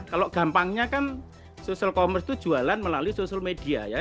kalau gampangnya kan social commerce itu jualan melalui social media ya